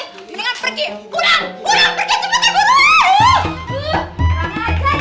hah gila gua udah kurang turun mesin